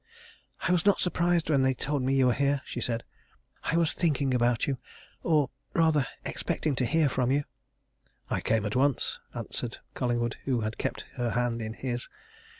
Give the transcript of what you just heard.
"I was not surprised when they told me you were here," she said. "I was thinking about you or, rather, expecting to hear from you." "I came at once," answered Collingwood, who had kept her hand in his.